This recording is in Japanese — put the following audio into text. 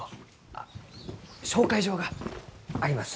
あっ紹介状があります。